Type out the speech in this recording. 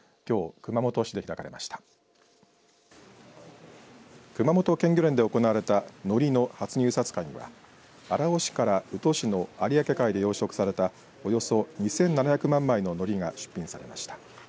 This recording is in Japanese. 熊本県漁連で行われたのりの初入札会には荒尾市から宇土市の有明海で養殖されたおよそ２７００万枚ののりが出品されました。